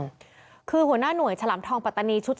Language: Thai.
และก็คือว่าถึงแม้วันนี้จะพบรอยเท้าเสียแป้งจริงไหม